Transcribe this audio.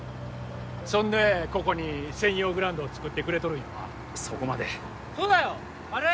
そんでここに専用グラウンドをつくってくれとるんやわそこまでそうだよ悪い？